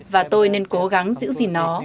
và tôi nên cố gắng giữ gìn nó